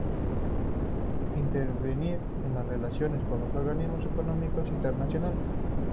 Intervenir en las relaciones con los organismos económicos internacionales.